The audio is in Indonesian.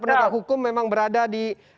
penegak hukum memang berada di